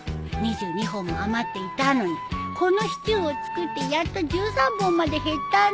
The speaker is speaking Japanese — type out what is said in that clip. ２２本も余っていたのにこのシチューを作ってやっと１３本まで減ったんだよ。